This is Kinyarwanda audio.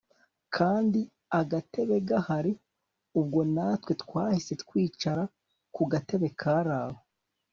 kndi agatebe gahari! ubwo natwe twahise twicara kugatebe karaho